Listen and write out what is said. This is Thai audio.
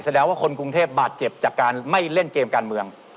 แสดงว่าคนกรุงเทพบาดเจ็บจากการไม่เล่นเกมการเมือง